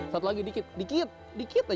satu lagi dikit dikit dikit aja ya